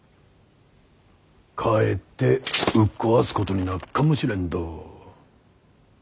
かえってうっ壊すことになっかもしれんど。